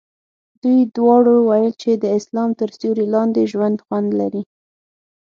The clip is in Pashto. دوی دواړو ویل چې د اسلام تر سیوري لاندې ژوند خوند لري.